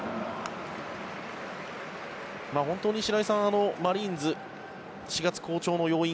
本当に白井さんマリーンズ、４月好調の要因